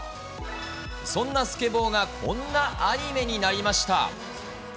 そんなスケボーがこんなアニメになりました。